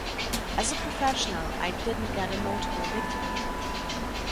As a professional, I didn’t get a notable victory.